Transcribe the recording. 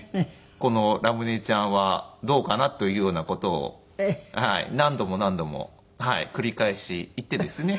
このラムネちゃんはどうかな？というような事を何度も何度も繰り返し言ってですね。